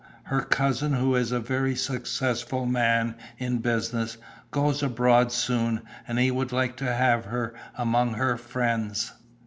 Her cousin, who is a very successful man in business, goes abroad soon, and he would like to have her among her friends.